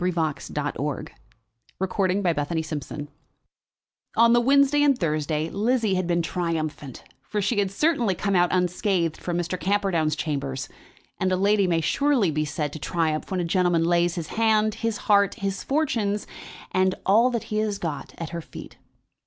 CHAPTER LXXIV Lizzie at the Police Court On the Wednesday and Thursday Lizzie had been triumphant; for she had certainly come out unscathed from Mr. Camperdown's chambers, and a lady may surely be said to triumph when a gentleman lays his hand, his heart, his fortunes, and all that he has got, at her feet.